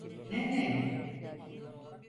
Ne neydi?